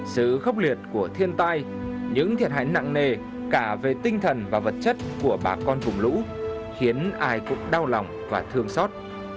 sự khốc liệt của thiên tai những thiệt hại nặng nề cả về tinh thần và vật chất của bà con vùng lũ khiến ai cũng đau lòng và thương xót